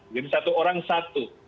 jadi satu orang satu